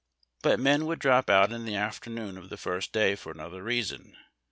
But men would drop out in the afternoon of the first day for another reason.